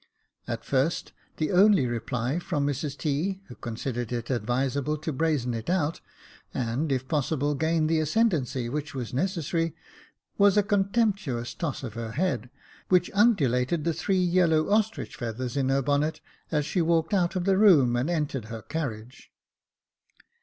At first the only reply from Mrs T., who considered it advisable 278 Jacob Faithful to brazen it out, and, if possible gain the ascendancy which was necessary, was a contemptuous toss of her head, which undulated the three yellow ostrich feathers in her bonnet, as she walked out of the room and entered her carriage.